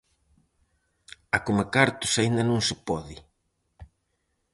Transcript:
A comecartos aínda non se pode.